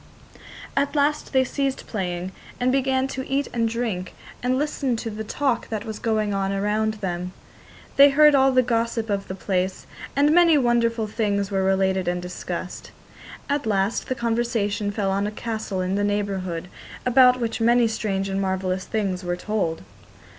At last they ceased playing, and began to eat and drink and listen to the talk that was going on around them. They heard all the gossip of the place, and many wonderful things were related and discussed. At last the conversation fell on a castle in the neighbourhood, about which many strange and marvellous things were told.